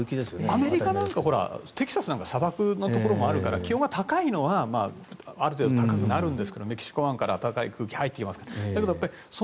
アメリカなんかテキサスなんか砂漠のところもあるので気温が高いのはある程度高くなるんですけどメキシコなんかは暖かい空気が入ってきますから。